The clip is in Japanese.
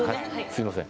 すみません。